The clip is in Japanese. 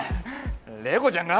怜子ちゃんが？